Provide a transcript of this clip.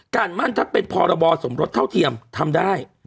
มั่นถ้าเป็นพรบสมรสเท่าเทียมทำได้